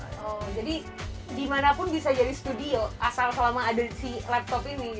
jadi di mana pun bisa jadi studio asal selama ada si laptop ini